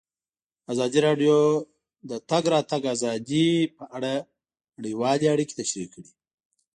ازادي راډیو د د تګ راتګ ازادي په اړه نړیوالې اړیکې تشریح کړي.